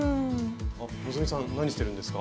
あ希さん何してるんですか？